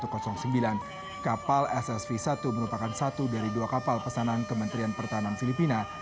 kapal ssv satu merupakan satu dari dua kapal pesanan kementerian pertahanan filipina